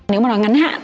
nếu mà nói ngắn hạn